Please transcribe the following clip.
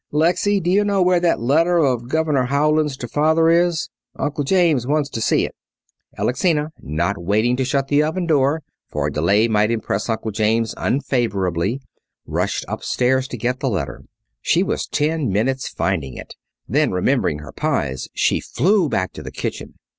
"Lexy, do you know where that letter of Governor Howland's to Father is? Uncle James wants to see it." Alexina, not waiting to shut the oven door for delay might impress Uncle James unfavourably rushed upstairs to get the letter. She was ten minutes finding it. Then, remembering her pies, she flew back to the kitchen.